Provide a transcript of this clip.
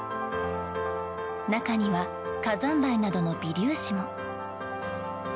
中には火山灰などの微粒子も。